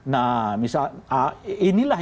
nah misalnya inilah